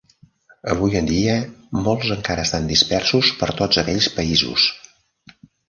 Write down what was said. Avui en dia, molts encara estan dispersos per tots aquells països.